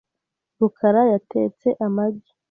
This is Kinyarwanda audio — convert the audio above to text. rukara yatetse amagi .